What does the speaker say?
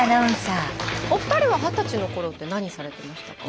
お二人は二十歳のころって何されてましたか？